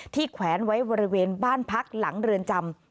แขวนไว้บริเวณบ้านพักหลังเรือนจำ